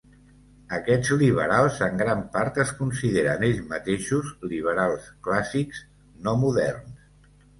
Aquests liberals en gran part es consideren ells mateixos liberals clàssics, no moderns.